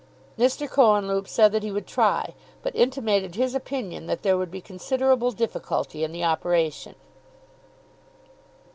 Mr. Cohenlupe said that he would try, but intimated his opinion that there would be considerable difficulty in the operation.